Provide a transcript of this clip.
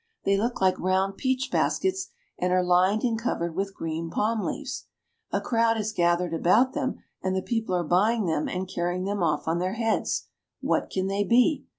They look like round peach baskets and are lined and covered with green palm leaves. A crowd has gathered about them, and the people are buying them and carrying them off on their heads. What can they be